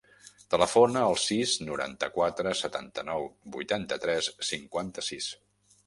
Telefona al sis, noranta-quatre, setanta-nou, vuitanta-tres, cinquanta-sis.